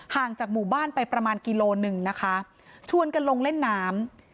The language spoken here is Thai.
จากหมู่บ้านไปประมาณกิโลหนึ่งนะคะชวนกันลงเล่นน้ำ